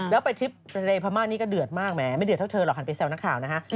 แล้วไปทริปทะเลพม่านี้ก็เดือดมากแหมไม่เดือดเท่าเธอหรอกหันไปแซวนักข่าวนะฮะ